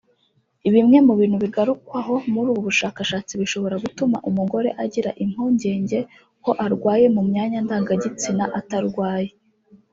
Bimwe mu bintu bigarukwaho muri ubu bushakshatsi bishobora gutuma umugore agira impungenge ko arwaye mu myanya ndangagitsina atarwaye